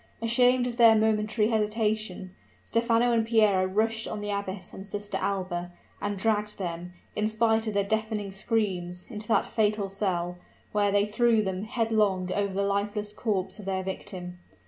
Ashamed of their momentary hesitation, Stephano and Piero rushed on the abbess and Sister Alba, and dragged them, in spite of their deafening screams, into that fatal cell, where they threw them headlong over the lifeless corpse of their victim.